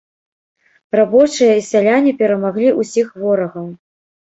Рабочыя і сяляне перамаглі ўсіх ворагаў.